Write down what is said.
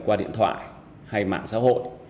qua điện thoại hay mạng xã hội